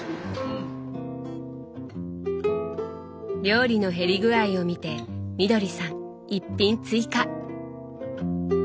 料理の減り具合を見てみどりさん１品追加！